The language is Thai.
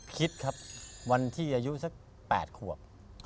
คิดครับวันที่อายุสัก๘ขวบ